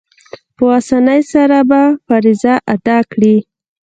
په آسانۍ سره به فریضه ادا کړي.